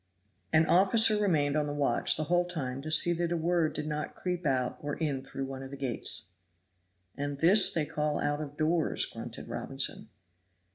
An officer remained on the watch the whole time to see that a word did not creep out or in through one of the gates. "And this they call out of doors," grunted Robinson.